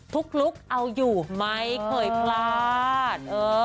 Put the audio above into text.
ลุคเอาอยู่ไม่เคยพลาด